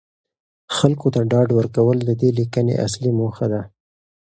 خلکو ته ډاډ ورکول د دې لیکنې اصلي موخه ده.